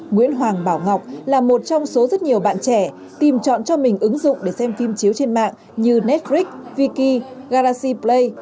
nguyễn hoàng bảo ngọc là một trong số rất nhiều bạn trẻ tìm chọn cho mình ứng dụng để xem phim chiếu trên mạng như netflix viki galaxy play